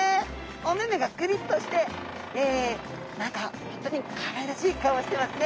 お目々がクリッとして何かホントにかわいらしい顔してますね。